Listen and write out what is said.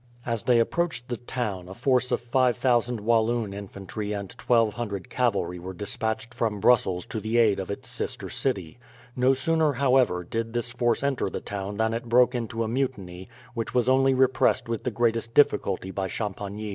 As they approached the town, a force of 5000 Walloon infantry and 1200 cavalry were despatched from Brussels to the aid of its sister city. No sooner, however, did this force enter the town than it broke into a mutiny, which was only repressed with the greatest difficulty by Champagny.